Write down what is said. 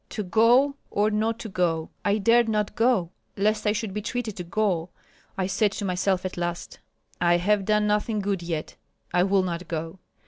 'To go or not to go?' I dared not go, lest I should be treated to gall. I said to myself at last: 'I have done nothing good yet, I will not go.'